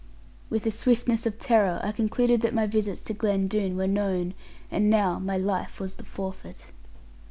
With the swiftness of terror I concluded that my visits to Glen Doone were known, and now my life was the forfeit.